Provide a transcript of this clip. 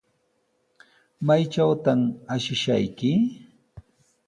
¿Maytrawtaq ashishayki?